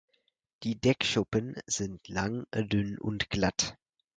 Die Deckschuppen sind lang, dünn und glatt.